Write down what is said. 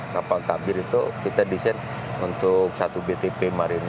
kapal tabir itu kita desain untuk satu btp marinir